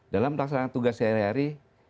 dalam melaksanakan tugas sehari hari